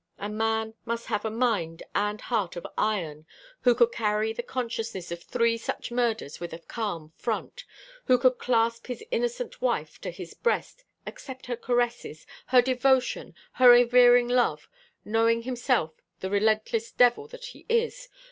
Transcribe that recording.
A man must have a mind and heart of iron who could carry the consciousness of three such murders with a calm front; who could clasp his innocent wife to his breast, accept her caresses, her devotion, her revering love knowing himself the relentless devil that he is!